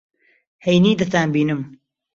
ھەینی دەتانبینم.